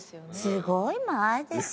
すごい前ですよ。